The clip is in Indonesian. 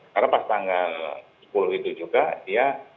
karena pas tanggal sepuluh itu juga dia